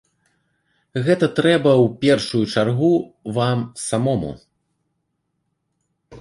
Гэта трэба, у першую чаргу, вам самому.